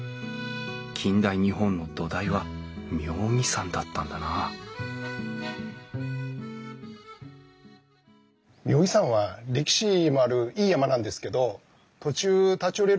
近代日本の土台は妙義山だったんだな妙義山は歴史もあるいい山なんですけど途中立ち寄れる場所があんまりないんですよね。